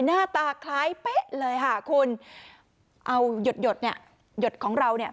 หน้าตาคล้ายเป๊ะเลยค่ะคุณเอาหยดหยดเนี่ยหยดของเราเนี่ย